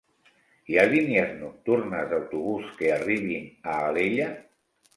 Hi ha línies nocturnes d'autobús que arribin a Alella?